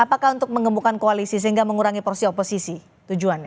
apakah untuk mengembukan koalisi sehingga mengurangi porsi oposisi tujuannya